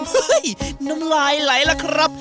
หุ้ยน้ำลายไหลละครับ